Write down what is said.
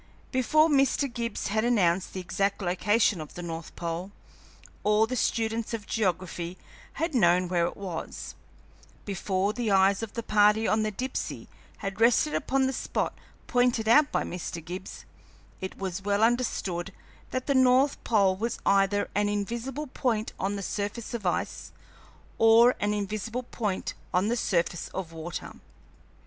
Before Mr. Gibbs had announced the exact location of the north pole, all the students of geography had known where it was; before the eyes of the party on the Dipsey had rested upon the spot pointed out by Mr. Gibbs, it was well understood that the north pole was either an invisible point on the surface of ice or an invisible point on the surface of water.